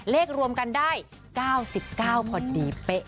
รวมกันได้๙๙พอดีเป๊ะ